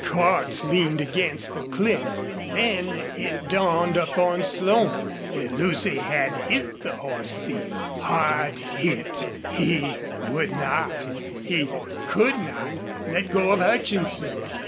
Cordts leaned against the cliff. Then it dawned upon Slone that Lucy had hit the horse thief. Hard hit! He would not he could not let go of Hutchinson.